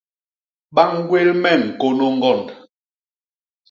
Ba ñgwél me ñkônô ñgond.